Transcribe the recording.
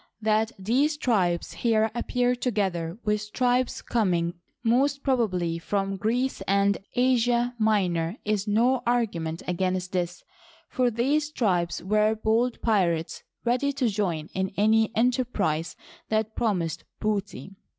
That these tribes here appear together with tribes coming most probably from Greece and Asia Minor is no argument against this, for these tribes were bold pirates, ready to join in any enterprise that promised booty.